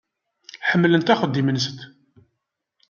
Ḥemmlent axeddim-nsent.